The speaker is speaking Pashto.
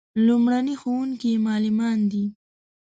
لومړني لارښوونکي یې معلمان دي.